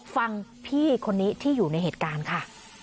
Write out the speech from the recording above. ฟังพี่คนนี้ที่อยู่ในเหตุการณ์ค่ะ